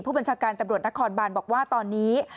ผู้บัญชาการตำรวจนครบานบอกว่าตอนนี้